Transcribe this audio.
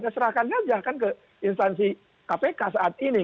ya serahkan saja kan ke instansi kpk saat ini